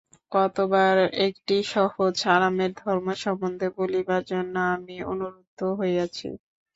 কতবার একটি সহজ আরামের ধর্ম সম্বন্ধে বলিবার জন্য আমি অনুরুদ্ধ হইয়াছি।